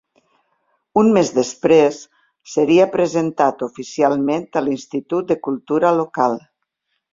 Un mes després, seria presentat oficialment a l'Institut de Cultura local.